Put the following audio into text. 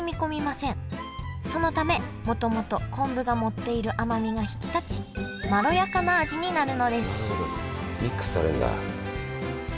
そのためもともと昆布が持っている甘みが引き立ちまろやかな味になるのですなるほどミックスされるんだ。